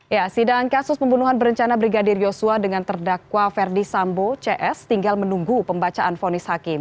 ya sidang kasus pembunuhan berencana brigadir yosua dengan terdakwa ferdi sambo cs tinggal menunggu pembacaan fonis hakim